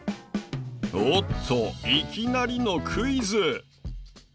おっといきなりのクイズ。